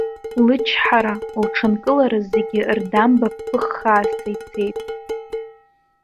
Лычҳара, лҽынкылара зегьы рдамба ԥыххааса ицеит.